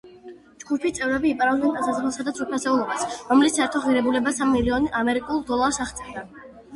ჯგუფის წევრები იპარავდნენ ტანსაცმელსა და ძვირფასეულობა, რომლის საერთო ღირებულება სამ მილიონ ამერიკულ დოლარს აღწევდა.